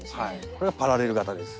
これがパラレル型です。